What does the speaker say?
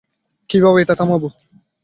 কীভাবে এটা থামাবো?